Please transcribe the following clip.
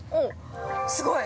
すごい！